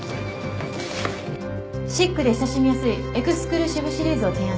シックで親しみやすいエクスクルーシブシリーズを提案します。